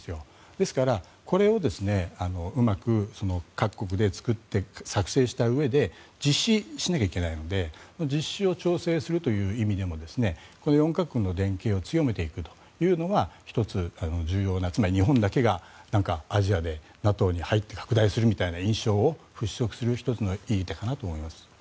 なので、これをうまく各国で作って作成したうえで実施しなきゃいけないので実施を調整するという意味でもこの４か国の連携を強めていくというのが１つ重要なつまり日本だけがアジアでＮＡＴＯに入って拡大するみたいな印象を払しょくする１つのいい手かなと思います。